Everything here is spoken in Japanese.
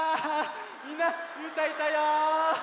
みんなうーたんいたよ。